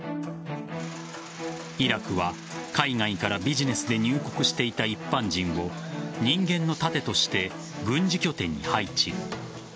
イラクは海外からビジネスで入国していた一般人を人間の盾として軍事拠点に配置。